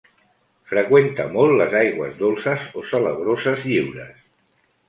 Freqüenta molt les aigües dolces o salabroses lliures.